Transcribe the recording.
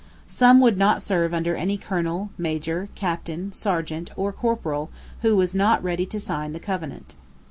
Some would not serve under any colonel, major, captain, serjeant, or corporal, who was not ready to sign the Covenant.